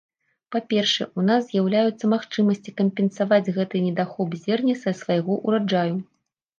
Па-першае, у нас з'яўляюцца магчымасці кампенсаваць гэты недахоп зерня са свайго ўраджаю.